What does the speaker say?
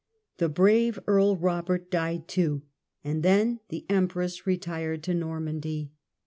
The brave Earl Robert (fied too; and then the empress retired to Normandy.